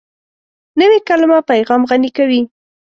نوې کلیمه پیغام غني کوي